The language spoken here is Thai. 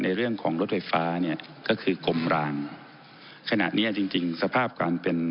เรื่องของรถไฟฟ้าเนี่ยก็คือกลมรางขณะเนี้ยจริงจริงสภาพการเป็น